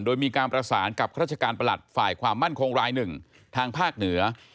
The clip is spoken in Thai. โดยมีการประสานกับราชการประหลัดฝ่ายความมั่นคงรายหนึ่งทางภาคเหนือ